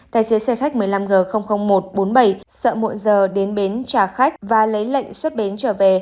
tài xế xe khách một mươi năm g một trăm bốn mươi bảy sợ muộn giờ đến bến trả khách và lấy lệnh xuất bến trở về